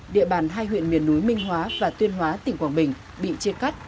địa bàn hai huyện miền núi minh hóa và tuyên hóa tỉnh quảng bình bị chia cắt